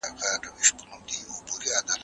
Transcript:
ادبي غونډې د پوهې او معرفت لاره ده.